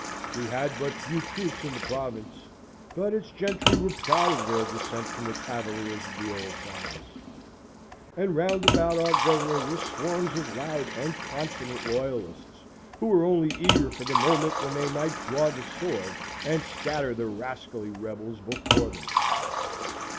We had but few troops in the province, but its gentry were proud of their descent from the Cavaliers of the old times: and round about our Governor were swarms of loud and confident Loyalists who were only eager for the moment when they might draw the sword, and scatter the rascally rebels before them.